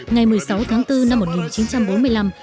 ngày một mươi sáu tháng bốn năm một nghìn chín trăm bốn mươi năm